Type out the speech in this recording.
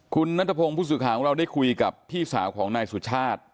คุณนัทพงศ์ผู้สื่อข่าวของเราได้คุยกับพี่สาวของนายสุชาติ